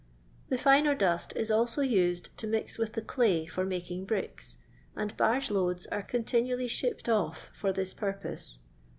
The finer dust is also uaed to mix with the clay for making bricks, and baorge4oads are con tinually ahipped off for this purpose.